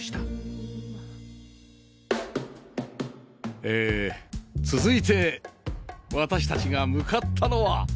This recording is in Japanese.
えー続いて私たちが向かったのは